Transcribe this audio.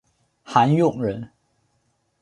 韩永人。